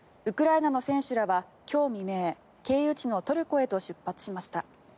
ウクライナの選手らは今日未明経由地のトルコへと出発しました。